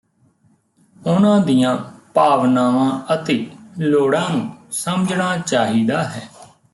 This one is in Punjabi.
ਉਨ੍ਹਾਂ ਦੀਆਂ ਭਾਵਨਾਵਾਂ ਅਤੇ ਲੋੜਾਂ ਨੂੰ ਸਮਝਣਾ ਚਾਹੀਦਾ ਹੈ